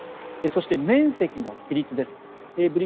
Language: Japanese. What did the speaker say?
そして、面積の比率です。